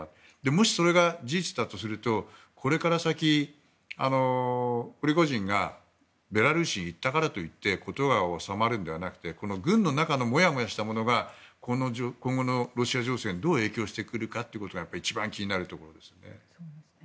もしそれが事実だとするとこれから先プリゴジンがベラルーシに行ったからといって事が収まるのではなくて軍の中のもやもやしたものが今後のロシア情勢にどう影響してくるかということが一番気になるところですね。